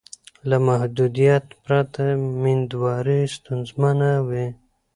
له محدودیت پرته میندواري ستونزمنه وي.